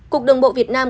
cục đồng bộ việt nam